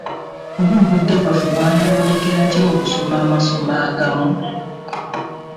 Oba obudde bwaffe bwayonoonekera ki mu kusoma amasomo agamu?